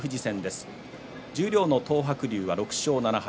十両の東白龍は６勝７敗。